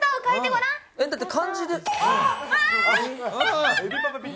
だって、漢字で、あっ！